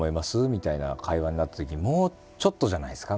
みたいな会話になったときにもうちょっとじゃないですか？